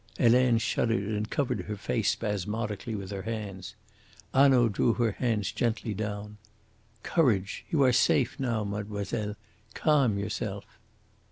Helene shuddered and covered her face spasmodically with her hands. Hanaud drew her hands gently down. "Courage! You are safe now, mademoiselle. Calm yourself!"